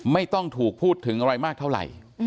ไม่ต้องถูกพูดถึงอะไรมากเท่าไหร่